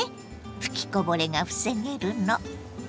吹きこぼれが防げるの。